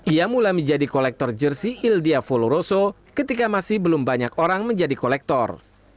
ia mulai menjadi kolektor jersi ildia voloroso ketika masih belum banyak orang menjadi kolektor